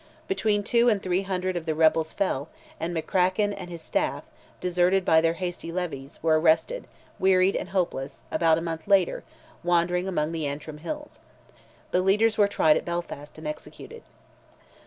Between two and three hundred of the rebels fell, and McCracken and his staff, deserted by their hasty levies, were arrested, wearied and hopeless, about a month later, wandering among the Antrim hills. The leaders were tried at Belfast and executed.